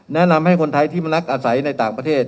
แนะนำให้คนไทยที่มาลักอาศัยในต่างประเทศ